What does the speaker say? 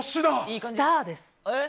スターです。